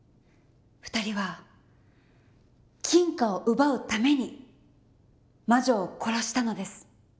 ２人は金貨を奪うために魔女を殺したのです。